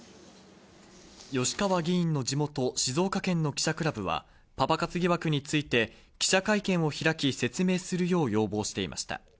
吉川議員の地元静岡県の記者クラブは、パパ活疑惑について記者会見を開き説明するよう要望していました。